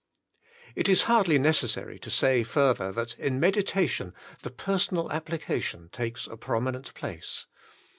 It is hardly necessary to say further that in meditation the personal application takes a promi nent place.